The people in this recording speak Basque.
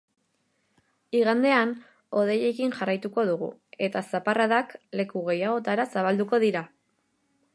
Igandean hodeiekin jarraituko dugu eta zaparradak leku gehiagotara zabalduko dira.